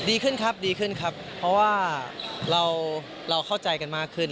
ดีขึ้นครับดีขึ้นครับเพราะว่าเราเข้าใจกันมากขึ้น